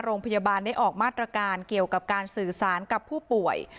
โรงพยาบาลได้ออกมาตรการเกี่ยวกับการสื่อสารกับผู้ป่วย